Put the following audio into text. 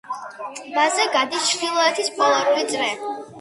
ტბაზე გადის ჩრდილოეთის პოლარული წრე.